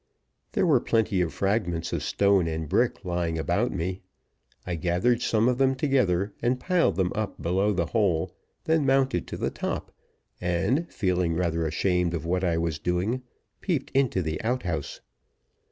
There were plenty of fragments of stone and brick lying about me. I gathered some of them together, and piled them up below the hole, then mounted to the top, and, feeling rather ashamed of what I was doing, peeped into the outhouse.